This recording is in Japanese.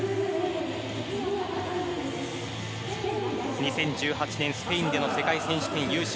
２０１８年、スペインでの世界選手権優勝。